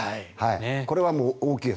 これは大きいです。